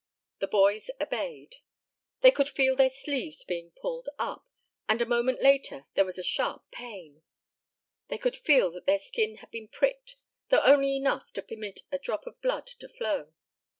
The boys obeyed. They could feel their sleeves being pulled up, and a moment later there was a sharp pain. They could feel that their skin had been pricked, though only enough to permit a drop of blood to flow.